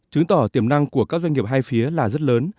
chứng tỏ tiềm năng của các doanh nghiệp hai phía là rất lớn